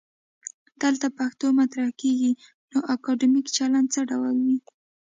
دلته پوښتنه مطرح کيږي: نو اکادمیک چلند څه ډول وي؟